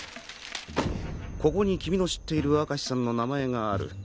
ここに君の知っている明石さんの名前がある。